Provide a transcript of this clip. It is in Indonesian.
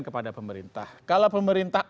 kepada pemerintah kalau pemerintah